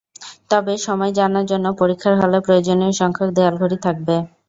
তবে সময় জানার জন্য পরীক্ষার হলে প্রয়োজনীয় সংখ্যক দেয়াল ঘড়ি থাকবে।